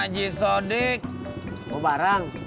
jadi atau gak